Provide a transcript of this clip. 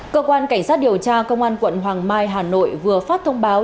cơ quan cảnh sát điều tra công an quận hoàng mai hà nội vừa phát thông báo